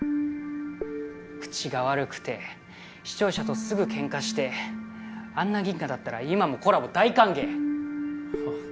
口が悪くて視聴者とすぐけんかしてあんなギンガだったら今もコラボ大歓迎はぁ？